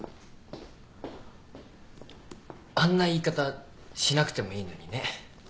あんな言い方しなくてもいいのにね。